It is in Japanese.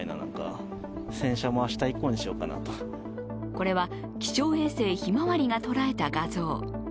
これは、気象衛星ひまわりが捉えた画像。